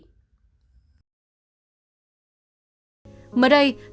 hẹn gặp lại quý vị